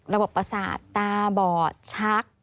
ระบบประสาทตาบอดชัก